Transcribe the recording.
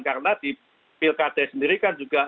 karena di pilkada sendiri kan juga